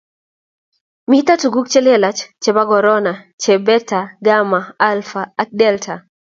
mito tunguik che lelach chebo korona che ; Beta, Gamma , Alpha ak Delta.